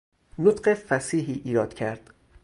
نطق فصیحی ایراد کرد